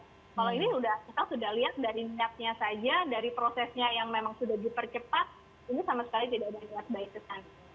kalau ini kita sudah lihat dari niatnya saja dari prosesnya yang memang sudah dipercepat ini sama sekali tidak ada niat baik sekali